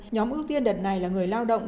nhóm ưu tiên đợt này là người lao động